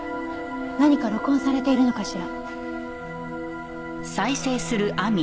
何か録音されているのかしら？